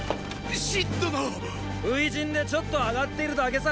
信殿⁉初陣でちょっと上がっているだけさ。